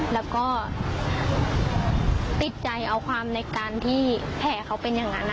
แล้วก็ติดใจเอาความในการที่แผลเขาเป็นอย่างนั้น